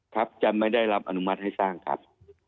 ครับจะไม่ได้รับอนุมัติให้สร้างครับ